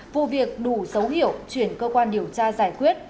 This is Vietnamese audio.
vụ việc đủ xấu hiểu chuyển cơ quan điều tra giải quyết